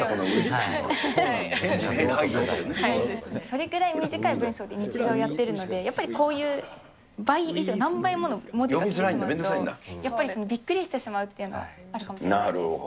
それくらい短い文章で日常やっているので、やっぱり、こういう倍以上、何倍もの文字が来てし読みづらいんだ、面倒くさいやっぱり、びっくりしてしまうっていうのはあるかもしれないです。